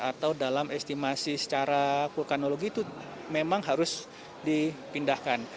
atau dalam estimasi secara vulkanologi itu memang harus dipindahkan